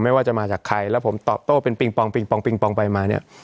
ว่าจะมาจากใครแล้วผมตอบโต้เป็นปิงปองปิงปองปิงปองไปมาเนี่ย